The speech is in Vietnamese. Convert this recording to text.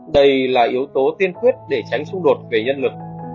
đây là yếu tố tiên quyết để tránh xung đột về nhân lực